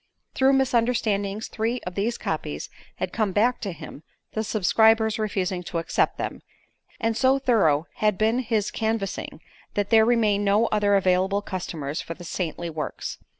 Through misunderstandings three of these copies had come back to him, the subscribers refusing to accept them; and so thorough had been his canvassing that there remained no other available customers for the saintly works.